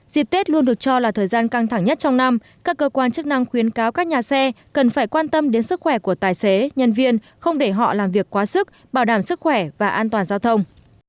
dịp tết luôn được cho là thời gian căng thẳng nhất trong năm các cơ quan chức năng khuyến cáo các nhà xe cần phải quan tâm đến sức khỏe của tài xế nhân viên không để họ làm việc quá sức bảo đảm sức khỏe và an toàn giao thông